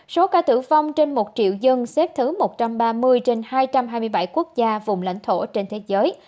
số ca tử vong trên một triệu dân xếp thứ một trăm ba mươi trên hai trăm hai mươi bảy quốc gia vùng lãnh thổ trên thế giới